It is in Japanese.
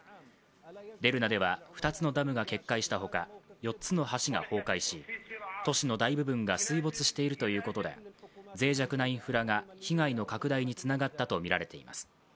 デルナでは、２つのダムが決壊したほか４つの橋が崩壊し、都市の大部分が水没しているということで、ぜい弱なインフラが被害の拡大につながったとみられています。